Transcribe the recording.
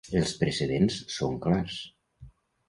Els precedents són clars.